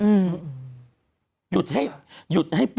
คุณหนุ่มกัญชัยได้เล่าใหญ่ใจความไปสักส่วนใหญ่แล้ว